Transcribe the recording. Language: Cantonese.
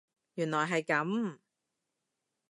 原來係咁